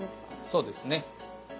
そうですね。